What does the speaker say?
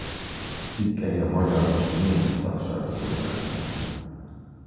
Cikkei a magyar és a német szaksajtóban jelentek meg.